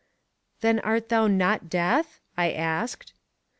Then art thou not Death? I asked.